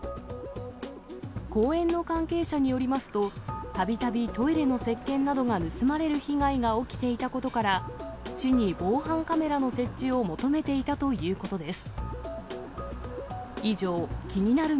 公園の関係者によりますと、たびたびトイレのせっけんなどが盗まれる被害が起きていたことから、市に防犯カメラの設置を求めていたということです。